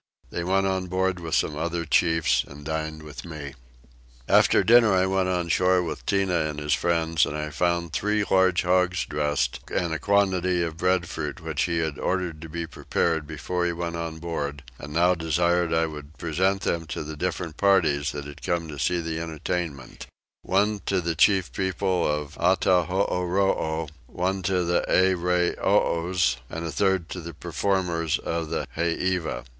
They went on board with some other chiefs and dined with me. After dinner I went on shore with Tinah and his friends, and I found three large hogs dressed, and a quantity of breadfruit which he had ordered to be prepared before he went on board, and now desired I would present them to the different parties that had come to see the entertainment: one to the chief people of Attahooroo, one to the Arreoys, and a third to the performers of the heiva.